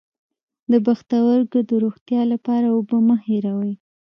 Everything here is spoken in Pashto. د پښتورګو د روغتیا لپاره اوبه مه هیروئ